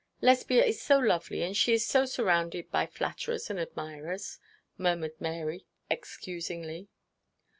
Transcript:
'Lesbia is so lovely, and she is so surrounded by flatterers and admirers,' murmured Mary, excusingly.